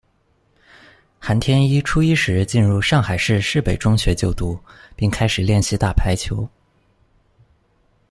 韩添伊初一时进入上海市市北中学就读，并开始练习打排球。